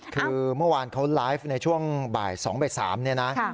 คือเมื่อวานเขาไลฟ์ในช่วงบ่าย๒บ่าย๓เนี่ยนะ